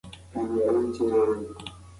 ایا په سپوږمۍ کې د پښو نښې پاتې کیږي؟